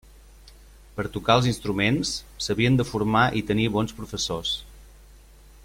Per tocar els instruments s'havien de formar i tenir bons professors.